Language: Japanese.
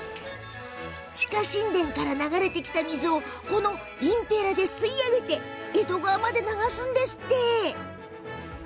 地下神殿から流れてきた水をこのインペラで吸い上げて江戸川まで流すんですって。